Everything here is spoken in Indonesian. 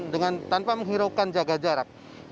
dengan tanpa menghiraukan jaga jarak